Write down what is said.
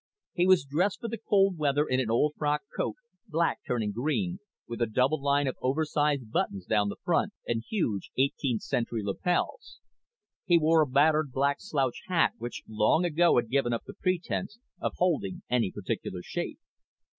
He was dressed for the cold weather in an old frock coat, black turning green, with a double line of oversized buttons down the front and huge eighteenth century lapels. He wore a battered black slouch hat which long ago had given up the pretense of holding any particular shape.